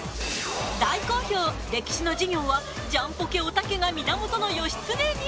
大好評歴史の授業はジャンポケおたけが源義経に。